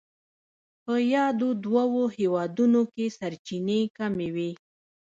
په یادو دوو هېوادونو کې سرچینې کمې وې.